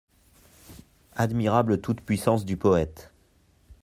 Admirable toute-puissance du poète !